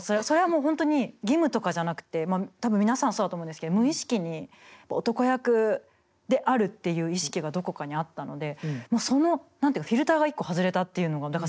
それはもう本当に義務とかじゃなくて多分皆さんそうだと思うんですけど無意識に男役であるっていう意識がどこかにあったのでそのフィルターが一個外れたっていうのが。